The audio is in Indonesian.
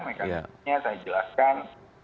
mekaniknya saya jelaskan